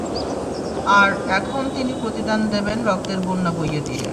আর, এখন তিনি প্রতিদান দেবেন রক্তের বন্যা বইয়ে দিয়ে!